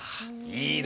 いいね。